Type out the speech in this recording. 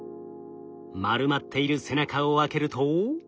丸まっている背中を開けると。